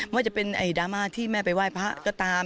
ว่าจะเป็นดราม่าที่แม่ไปไหว้พระก็ตาม